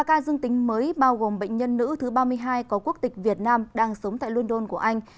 ba ca dương tính mới bao gồm bệnh nhân nữ thứ ba mươi hai có quốc tịch việt nam đang sống tại london của anh